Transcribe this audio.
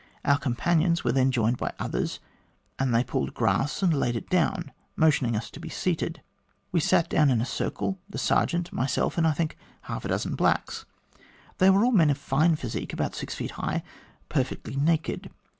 Our companions were then joined by others, and they pulled grass, and laid it down, motioning us to be seated. We sat down in a circle, the sergeant, myself, and I think half a dozen blacks. These were all men of fine physique, about six feet high, perfectly naked.